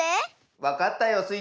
わかったよスイ